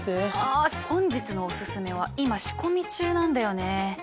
あ本日のオススメは今仕込み中なんだよね。